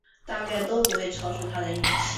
大概都不会超出他的预期